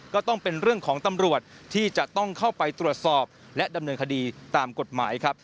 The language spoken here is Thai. ก็ต้องเป็นเรื่องของตำรวจที่จะต้องเข้าไปตรวจสอบและดำเนินคดีตามกฎหมายครับ